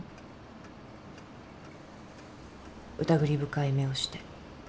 疑り深い目をして。